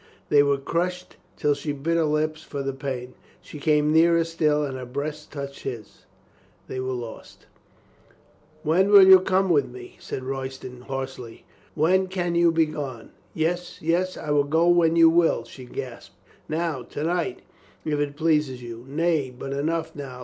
They were crushed till she bit her lips for the pain. She came nearer still, and her breast touched his ... They were lost ... "When will you come with me?" said Royston hoarsely. "When can you be gone?" "Yes, yes, I will go when you will," she gasped. "Now — ^to night, if it please you. Nay, but enough now.